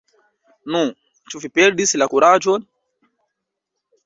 Nu, ĉu vi perdis la kuraĝon?